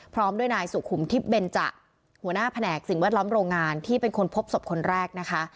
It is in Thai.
พร้อมด้วยนายสุขุมทิพย์เบนจะหัวหน้าแผนกสิ่งแวดล้อมโรงงานที่เป็นคนพบศพคนแรกนะคะ